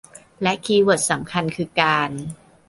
และคีย์เวิร์ดสำคัญคือการ